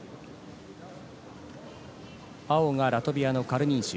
青がラトビアのカルニンシュ。